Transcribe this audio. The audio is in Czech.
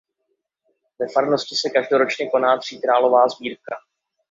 Ve farnosti se každoročně koná tříkrálová sbírka.